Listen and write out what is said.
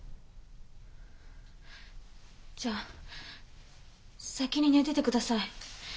じゃ先に寝てて下さい。